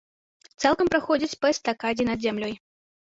Цалкам праходзіць па эстакадзе над зямлёй.